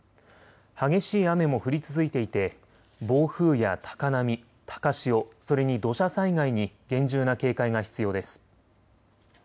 激しい雨も降り続いていて暴風や高波、高潮、それに土砂災害に厳重な警戒が必要です。